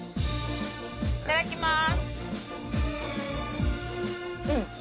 いただきます。